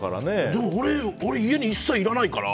でも、俺は家に一切いらないから。